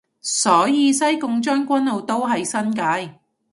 所以西貢將軍澳都係新界